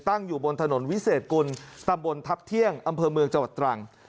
ตั้งอยู่บนถนนวิเศษกุลตำบลทัพเที่ยงอำเภอเมืองจังหวัดตรัง